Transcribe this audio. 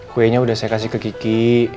kuenya udah saya kasih ke kiki